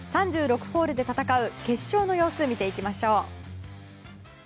３６ホールで戦う決勝の様子見ていきましょう。